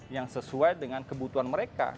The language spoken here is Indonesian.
yang sesuai dengan kebutuhan mereka